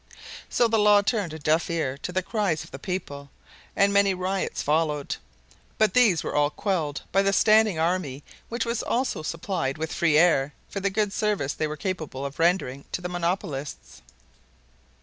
So the law turned a deaf ear to the cries of the people and many riots followed. But these were all quelled by the standing army which was also supplied with free air for the good service they were capable of rendering to the monopolists.